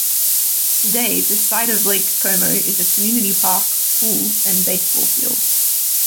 Today, the site of Lake Como is a community park, pool, and baseball field.